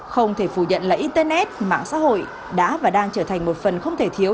không thể phủ nhận là internet mạng xã hội đã và đang trở thành một phần không thể thiếu